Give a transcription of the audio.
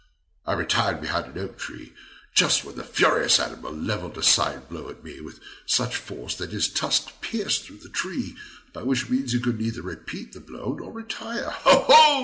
I retired behind an oak tree just when the furious animal levelled a side blow at me, with such force, that his tusks pierced through the tree, by which means he could neither repeat the blow nor retire. Ho, ho!